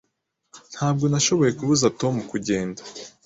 Ntabwo nashoboye kubuza Tom kugenda.